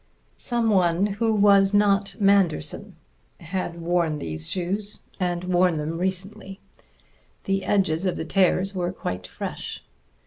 Someone who was not Manderson had worn these shoes, and worn them recently; the edges of the tears were quite fresh.